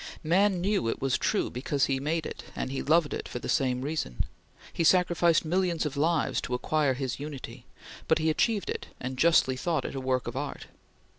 Man knew it was true because he made it, and he loved it for the same reason. He sacrificed millions of lives to acquire his unity, but he achieved it, and justly thought it a work of art.